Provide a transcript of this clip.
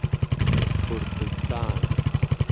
کوردستان